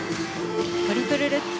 トリプルルッツ。